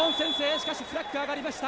しかしフラッグが上がりました。